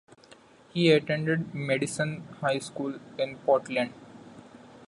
He attended Madison High School in Portland.